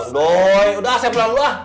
aduh udah saya pulang dulu ah